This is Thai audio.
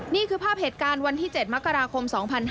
นี่คือภาพเหตุการณ์วันที่๗มกราคม๒๕๕๙